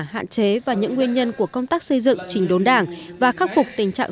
hạn chế và những nguyên nhân của công tác xây dựng trình đốn đảng và khắc phục tình trạng